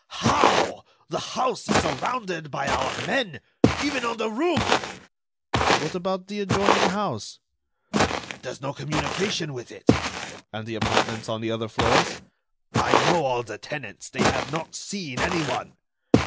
How? The house is surrounded by our men—even on the roof." "What about the adjoining house?" "There's no communication with it." "And the apartments on the other floors?" "I know all the tenants. They have not seen anyone."